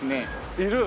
いる？